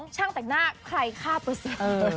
๒ช่างแต่งหน้าใครฆ่าประเสริฐ